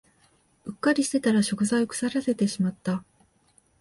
うっかりしてたら食材を腐らせてしまった